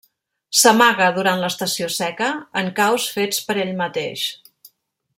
S'amaga, durant l'estació seca, en caus fets per ell mateix.